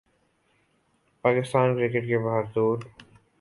Pakistan cricket نے بہرطور